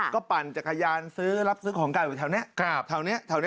ก็ปั่นจักรยานรับซื้อของกล้าอยู่แถวเนี้ย